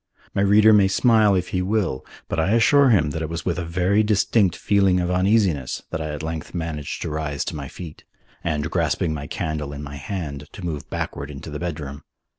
My reader may smile if he will, but I assure him that it was with a very distinct feeling of uneasiness that I at length managed to rise to my feet, and, grasping my candle in my hand, to move backward into the bedroom.